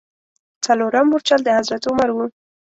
څلورم مورچل د حضرت عمر و.